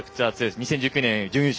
２０１９年で準優勝